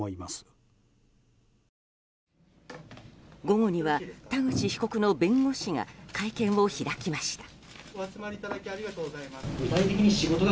午後には田口被告の弁護士が会見を開きました。